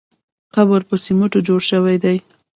قبر په سمېټو جوړ شوی دی.